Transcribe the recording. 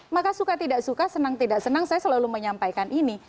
maka suka tidak suka senang tidak senang saya selalu menyampaikan ini